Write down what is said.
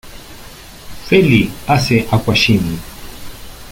Feli hace aquagym.